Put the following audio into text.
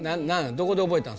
どこで覚えたん？